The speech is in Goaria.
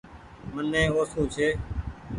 امني اوسون ڇي۔